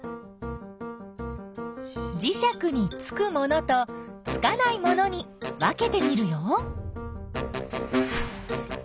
じしゃくにつくものとつかないものに分けてみるよ。